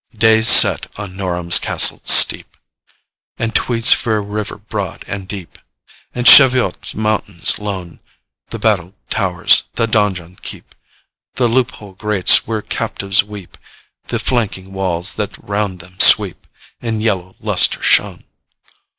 'Day set on Norham's castled steep, And Tweed's fair river broad and deep, And Cheviot's mountains lone: The battled towers, the donjon keep, The loophole grates where captives weep, The flanking walls that round them sweep, In yellow lustre shone.'